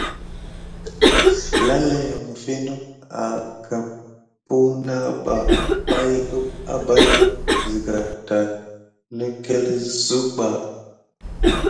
Lalaya mifi nok agamp puna bay abay siga tät niklte suck ɓa.